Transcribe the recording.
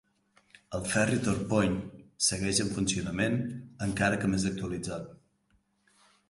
El ferri Torpoint segueix en funcionament, encara que més actualitzat.